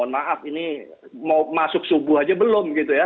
masuk subuh saja belum